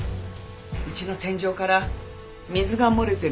うちの天井から水が漏れてるんです。